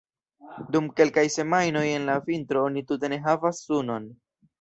Dum kelkaj semajnoj en la vintro oni tute ne havas sunon.